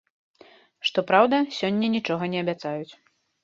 Што праўда, сёння нічога не абяцаюць.